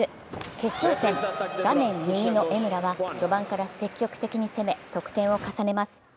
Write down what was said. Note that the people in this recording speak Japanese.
決勝戦、画面右の江村は序盤から積極的に攻め、得点を重ねます。